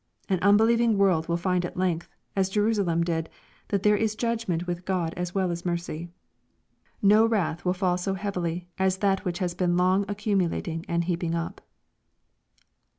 An unbelievinor world will find at length, as Jerusalem did, that there is judg ment with God as well as mercy. No wrath will fall so heavily as that which has been long accumulating and heaping up.